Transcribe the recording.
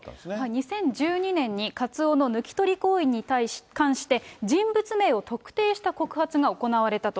２０１２年にカツオの抜き取り行為に関して、人物名を特定した告発が行われたと。